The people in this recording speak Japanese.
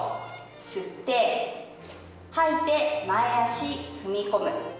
吸って吐いて前脚踏み込む。